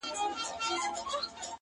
را ژوندی سوی يم. اساس يمه احساس يمه.